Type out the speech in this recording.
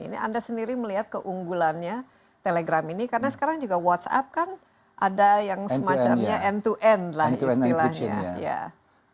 ini anda sendiri melihat keunggulannya telegram ini karena sekarang juga whatsapp kan ada yang semacamnya end to end lah istilahnya